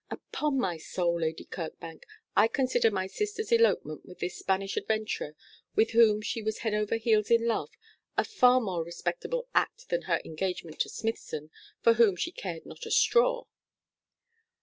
'Upon my soul, Lady Kirkbank, I consider my sister's elopement with this Spanish adventurer, with whom she was over head and ears in love, a far more respectable act than her engagement to Smithson, for whom she cared not a straw.'